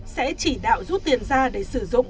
sẽ chỉ đạo rút tiền ra để sử dụng